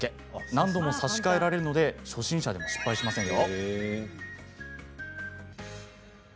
何度でも差し替えられるので初心者でも失敗しませんよ。